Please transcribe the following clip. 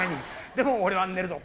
でも俺は寝るぞ。